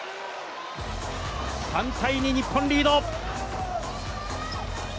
３−２、日本リード！